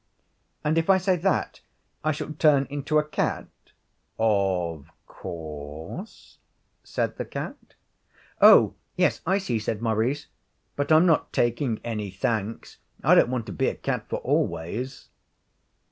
'And if I say that, I shall turn into a cat?' 'Of course,' said the cat. 'Oh, yes, I see,' said Maurice. 'But I'm not taking any, thanks. I don't want to be a cat for always.'